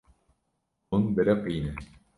Hûn biriqîne.